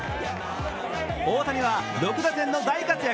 大谷は６打点の大活躍